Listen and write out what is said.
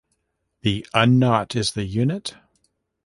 The unknot is the unit.